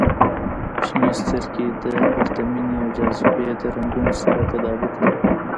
• شنې سترګې د پرتمینې او جاذبې د رنګونو سره تطابق لري.